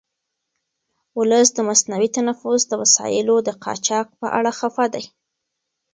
ولس د مصنوعي تنفس د وسایلو د قاچاق په اړه خفه دی.